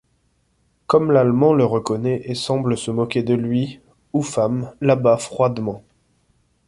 Comme l'Allemand le reconnait et semble se moquer de lui, Upham l'abat froidement.